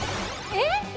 えっ？